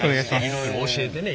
いろいろ教えてね